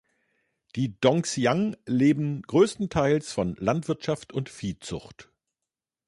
Die Dongxiang leben größtenteils von Landwirtschaft und Viehzucht.